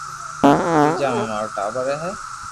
تيجا مي مارو ٽاٻر رھي ھي